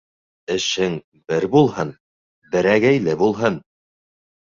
Эшең бер булһын, берәгәйле булһын.